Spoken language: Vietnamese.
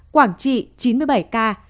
quảng trị chín mươi bảy ca